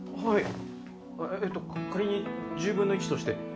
えっと仮に１０分の１として。